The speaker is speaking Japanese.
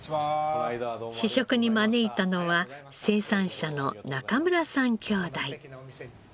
試食に招いたのは生産者の中村さん兄弟。